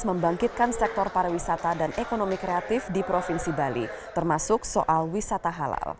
membangkitkan sektor pariwisata dan ekonomi kreatif di provinsi bali termasuk soal wisata halal